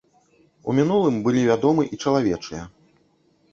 У мінулым былі вядомы і чалавечыя.